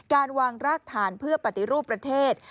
การวางรากฐานเพื่อปฏิรูปประเทศ